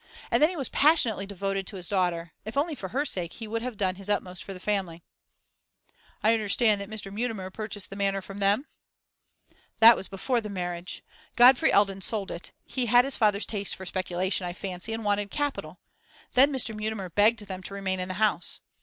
And then he was passionately devoted to his daughter; if only for her sake, he would have done his utmost for the family.' 'I understand that Mr. Mutimer purchased the Manor from them?' 'That was before the marriage. Godfrey Eldon sold it; he had his father's taste for speculation, I fancy, and wanted capital. Then Mr. Mutimer begged them to remain in the house.